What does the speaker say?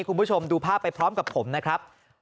คุณผู้ชมดูภาพไปพร้อมกับผมนะครับ